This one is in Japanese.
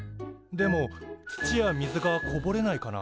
でも土や水がこぼれないかな？